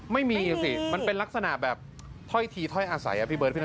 ไม่มีสิมันเป็นลักษณะแบบถ้อยทีท้อยอาศัย